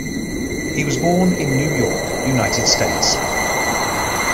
He was born in New York, United States.